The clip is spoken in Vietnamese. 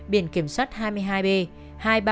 biển kiểm soát hai mươi hai b